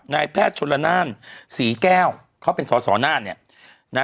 งานแพทย์ชนละนานศรีแก้วเขาเป็นสสน